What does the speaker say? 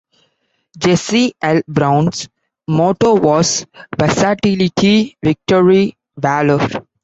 "Jesse L. Brown"s motto was "Versatility, Victory, Valor!".